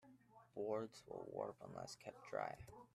Boards will warp unless kept dry.